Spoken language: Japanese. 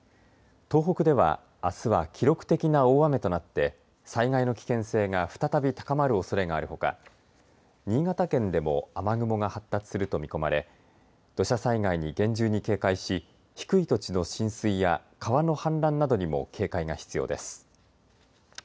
東北では、あすは記録的な大雨となって災害の危険性が再び高まるおそれがあるほか新潟県でも雨雲が発達すると見込まれ土砂災害に厳重に警戒し低い土地の浸水や川の氾濫などにも警戒が必要です。